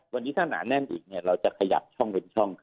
วันนี้ถ้าหนาแน่นอีกเราจะขยับช่องเป็นช่อง